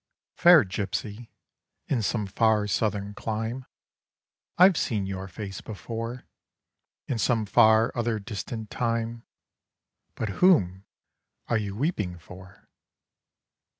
' Fair Gipsy, in some far southern clime, I've seen your face before In some far other distant time, — But whom are you weeping for